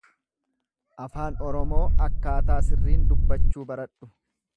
Afaan Oromoo akkaataa sirriin dubbachuu baradhu.